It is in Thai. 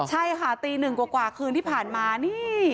ใช่ค่ะตีหนึ่งกว่าคืนที่ผ่านมานี่